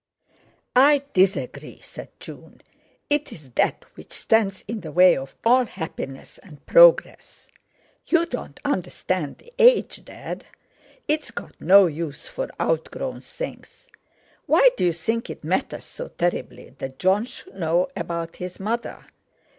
"I disagree," said June. "It's that which stands in the way of all happiness and progress. You don't understand the Age, Dad. It's got no use for outgrown things. Why do you think it matters so terribly that Jon should know about his mother?